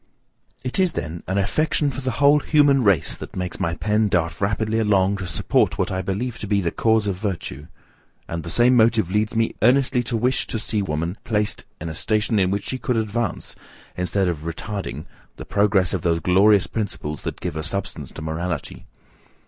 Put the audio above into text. It is, then, an affection for the whole human race that makes my pen dart rapidly along to support what I believe to be the cause of virtue: and the same motive leads me earnestly to wish to see woman placed in a station in which she would advance, instead of retarding, the progress of those glorious principles that give a substance to morality.